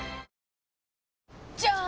じゃーん！